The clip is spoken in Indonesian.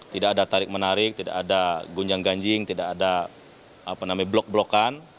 tidak ada tarik menarik tidak ada gunjang ganjing tidak ada blok blokan